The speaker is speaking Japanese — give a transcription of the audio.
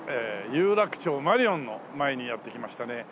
有楽町マリオンの前にやって来ましたね。